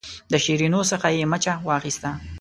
د شیرینو څخه یې مچه واخیسته.